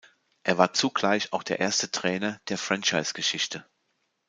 Er war zugleich auch der erste Trainer der Franchisegeschichte.